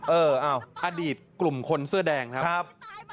เอออดีตกลุ่มคนเสื้อแดงครับ